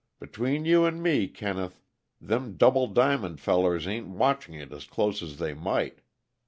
Between you an' me, Kenneth, them Double Diamond fellers ain't watching it as close as they might.